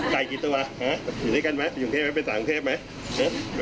ใส่กี่ตัวอยู่ด้วยกันไหมอยู่อย่างเทพฯไหมเป็นสามเทพฯไหม